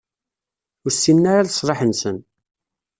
Ur ssinen ara leṣlaḥ-nsen.